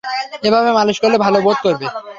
এভাবে মালিশ করলে ভালো বোধ করবে।